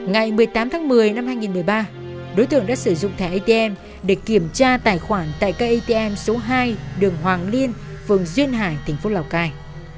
ngày một mươi tám tháng một mươi năm hai nghìn một mươi ba đối tượng đã sử dụng thẻ atm để kiểm tra tài khoản tại cây atm số hai đường hoàng liên phường duyên hải tỉnh phố lào cai